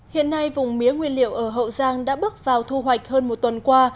hiện nay vùng mía nguyên liệu ở hậu giang đã bước vào thu hoạch hơn một tuần qua